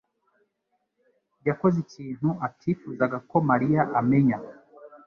yakoze ikintu atifuzaga ko Mariya amenya.